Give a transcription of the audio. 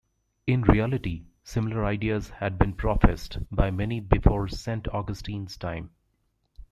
In reality similar ideas had been professed by many before Saint Augustine's time.